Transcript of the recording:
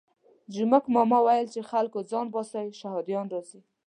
جومک ماما ویل چې خلکو ځان باسئ شهادیان راځي.